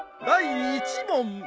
第１問。